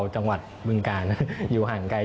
จังหวัดบึงกาลอยู่ห่างไกล